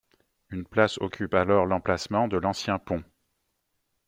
Une place occupe alors l'emplacement de l'ancien pont.